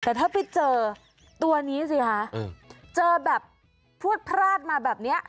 แต่ถ้าไปเจอตัวนี้สิคะเจอแบบพวดพลาดมาแบบนี้